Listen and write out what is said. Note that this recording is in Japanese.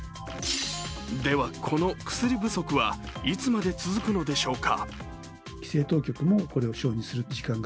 では、この薬不足はいつまで続くのでしょうか。